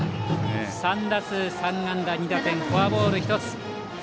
３打数３安打２打点フォアボール１つ。